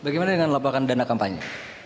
bagaimana dengan laporan dana kampanye